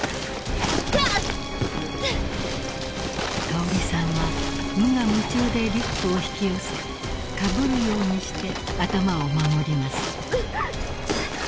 ［香織さんは無我夢中でリュックを引き寄せかぶるようにして頭を守ります］